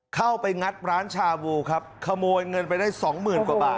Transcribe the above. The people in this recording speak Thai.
เข้าไปงัดร้านชาบูครับขโมยเงินไปได้สองหมื่นกว่าบาท